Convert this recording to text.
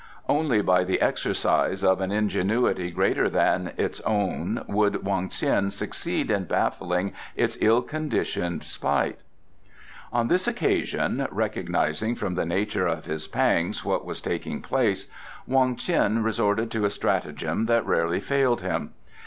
Only by the exercise of an ingenuity greater than its own could Wong Ts'in succeed in baffling its ill conditioned spite. On this occasion, recognizing from the nature of his pangs what was taking place, Wong Ts'in resorted to a stratagem that rarely failed him.